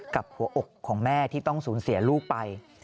กับหัวอกของแม่ที่ต้องสูญเสียลูกไป